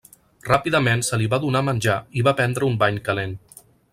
Ràpidament se li va donar menjar i va prendre un bany calent.